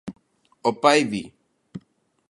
O pai di: